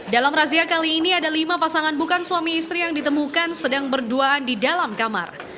dalam razia kali ini ada lima pasangan bukan suami istri yang ditemukan sedang berduaan di dalam kamar